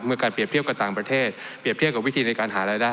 การเปรียบเทียบกับต่างประเทศเปรียบเทียบกับวิธีในการหารายได้